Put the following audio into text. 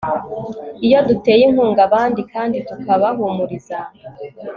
iyo duteye inkunga abandi kandi tukabahumuriza